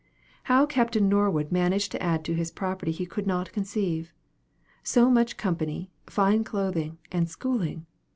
How Captain Norwood managed to add to his property he could not conceive. So much company, fine clothing, and schooling!